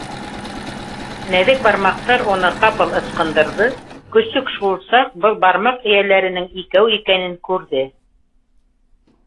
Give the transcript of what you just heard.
Нәҙек бармаҡтар уны ҡапыл ысҡындырҙы, көсөк шул саҡ был бармаҡ эйәләренең икәү икәнен күрҙе.